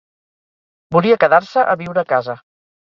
Volia quedar-se a viure a casa.